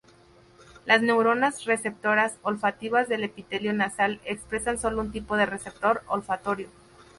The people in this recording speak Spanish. Las neuronas receptoras olfativas del epitelio nasal expresan solo un tipo de receptor olfatorio.